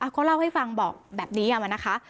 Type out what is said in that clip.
ก็เล่าให้ฟังบอกแบบนี้เอามานะคะ